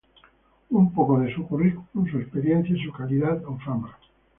Un poco de su curriculum, su experiencia, su calidad o fama.